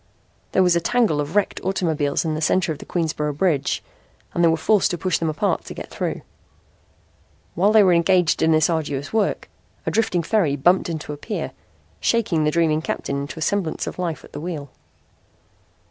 There was a tangle of wrecked automobiles in the center of the Queensboro Bridge and they were forced to push them apart to get through. While they were engaged in this arduous work, a drifting ferry bumped into a pier, shaking the dreaming captain into a semblance of life at the wheel.